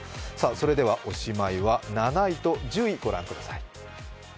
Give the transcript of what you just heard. それではおしまいは、７位と１０位をご覧ください。